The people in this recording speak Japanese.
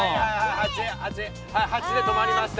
はい８でとまりました。